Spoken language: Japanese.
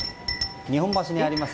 日本橋にあります